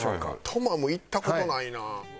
トマム行った事ないな。